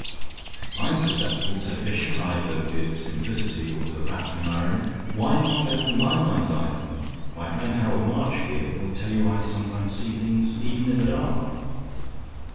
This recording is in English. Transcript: "I'm suspectible," said Fisher, either with simplicity or with a baffling irony. "Why not open my mind's eye for me? My friend Harold March here will tell you I sometimes see things, even in the dark."